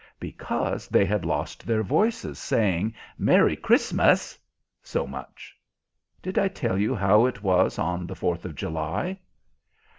"Because they had lost their voices, saying 'Merry Christmas' so much. Did I tell you how it was on the Fourth of July?"